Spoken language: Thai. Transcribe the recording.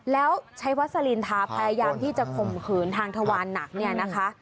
แล้วใช้วัดสลินทาพยายามที่จะคมขืนทางทวารหนัก